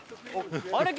あれ？